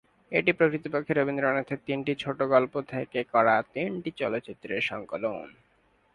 এটি প্রকৃতপক্ষে রবীন্দ্রনাথের তিনটি ছোট গল্প থেকে করা তিনটি চলচ্চিত্রের সংকলন।